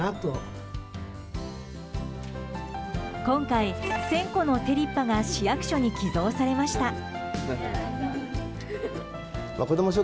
今回、１０００個のテリッパが市役所に寄贈されました。